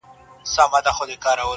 ژونده ټول غزل عزل ټپې ټپې سه.